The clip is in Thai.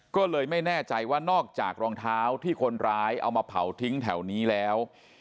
ก็เลยไม่แน่ใจว่านอกจากรองเท้าที่คนร้ายเอามาเผาทิ้งแถวนี้แล้ว